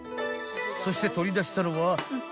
［そして取り出したのは］